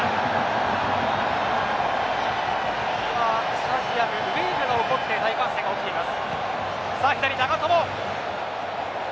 スタジアムウェーブが起こって大歓声が起こっています。